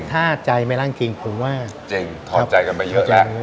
ถ้าใจไม่ร่างเกรงผมว่าจริงทอดใจกันไปเยอะแหละ